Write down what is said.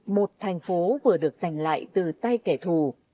một thành phố vừa được giành lại từ tay kẻ thù